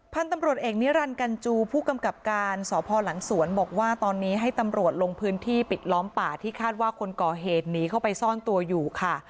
พันธุ์ตำรวจเอกนิรันดิกัญจูผู้กำกับการสพหลังสวนบอกว่าตอนนี้ให้ตำรวจลงพื้นที่ปิดล้อมป่าที่คาดว่าคนก่อเหตุหนีเข้าไปซ่อนตัวอยู่ค่ะ